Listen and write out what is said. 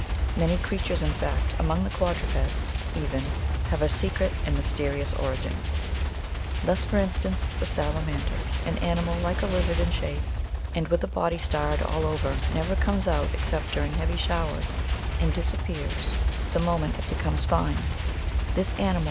Many creatures, in fact, among the quadrupeds even, have a secret and mysterious origin. (67 ) Thus, for instance, the salamander, an animal like a lizard in sha])e, and with a body starred all over, never comes out except during heavy showers, and disappears the moment 47 Aristotle, Ilist. Anim. B.